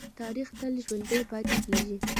تاریخ تل ژوندی پاتې کېږي.